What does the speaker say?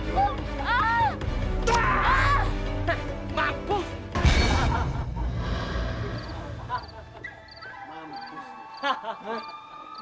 lu mau barang pegas